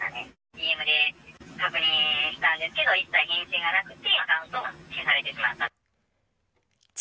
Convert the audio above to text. ＤＭで確認したんですけど、一切返信がなくて、アカウントも消されてしまったと。